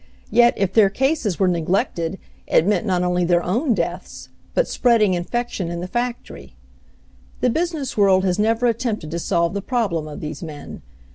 Yet, if their cases were neglected it meant not only their own deaths, but spreading infection in the factory. The business world has never attempted to solve the problem of these men.